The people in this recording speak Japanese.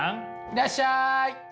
いらっしゃい！